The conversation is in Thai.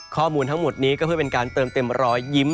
ข้อมูลทั้งหมดนี้ก็เพื่อเป็นการเติมเต็มรอยยิ้ม